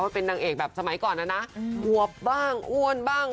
เป็นนางเอกแบบสมัยก่อนนะนะอวบบ้างอ้วนบ้าง